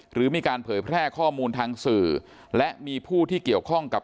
หรือมีการเผยแพร่ข้อมูลทางสื่อและมีผู้ที่เกี่ยวข้องกับ